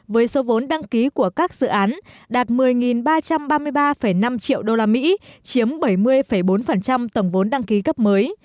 với số vốn đăng ký của các dự án đạt một mươi ba trăm ba mươi ba năm triệu usd chiếm bảy mươi bốn tổng vốn đăng ký cấp mới